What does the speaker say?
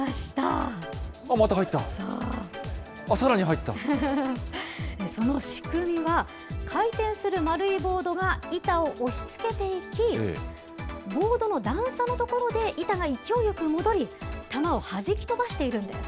あっ、その仕組みは、回転する丸いボードが板を押し付けていき、ボードの段差の所で板が勢いよく戻り、球をはじき飛ばしているんです。